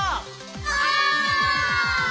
お！